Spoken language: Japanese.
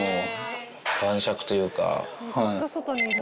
晩酌というか。